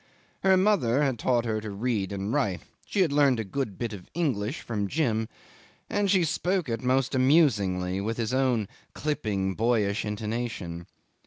Her mother had taught her to read and write; she had learned a good bit of English from Jim, and she spoke it most amusingly, with his own clipping, boyish intonation.